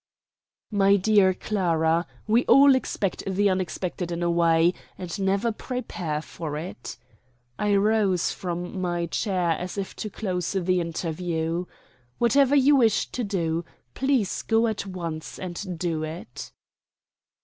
"My dear Clara, we all expect the unexpected in a way, and never prepare for it." I rose from my chair as if to close the interview. "Whatever you wish to do, please go at once and do it."